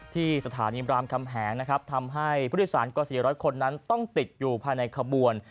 ที่สถานีรามคำแหงนะครับทำให้ผู้โดยสารกว่า๔๐๐คนนั้นต้องติดอยู่ภายในขบวน